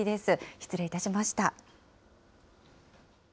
失礼いたしました。